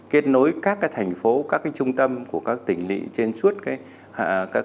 kết nối các thành phố các trung tâm của các tỉnh lị trên suốt các tuyến từ hà nội tp hcm